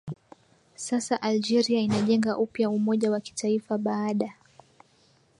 sasa Algeria inajenga upya umoja wa kitaifa baada